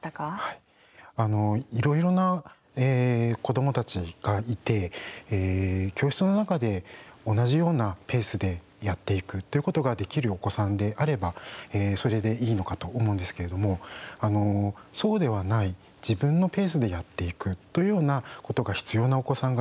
いろいろな子どもたちがいて教室の中で同じようなペースでやっていくということができるお子さんであればそれでいいのかと思うんですけれどもそうではない自分のペースでやっていくということが必要なお子さんがいると思うんですね。